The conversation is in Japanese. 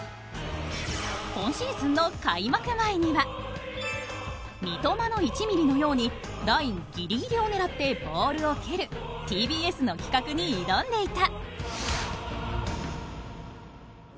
今シーズンの開幕前には三笘の１ｍｍのようにラインギリギリを狙ってボールを蹴るＴＢＳの企画に挑んでいた。